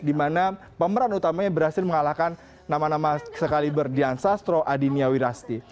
dimana pemeran utamanya berhasil mengalahkan nama nama sekaliber dian sastro adi niawirasti